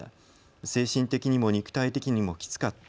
精神的にも肉体的にもきつかった。